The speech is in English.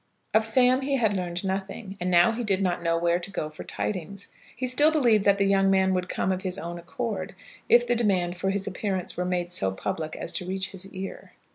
Of Sam he had learned nothing, and now he did not know where to go for tidings. He still believed that the young man would come of his own accord, if the demand for his appearance were made so public as to reach his ear.